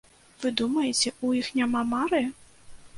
Вы думаеце, у іх няма мары?!